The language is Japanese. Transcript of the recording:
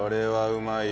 うまい！